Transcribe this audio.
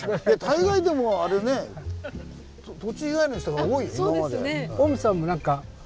大概でもあれね土地以外の人が多い今まで。